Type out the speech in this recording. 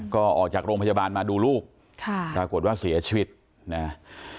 ก็ออกจากโรงพยาบาลมาดูลูกค่ะปรากฏว่าเสียชีวิตนะฮะ